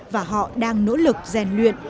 và họ đang nỗ lực rèn luyện